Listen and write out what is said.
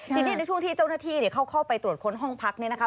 ทีนี้ในช่วงที่เจ้าหน้าที่เข้าไปตรวจค้นห้องพักเนี่ยนะคะ